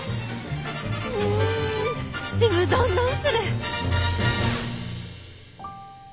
うんちむどんどんする！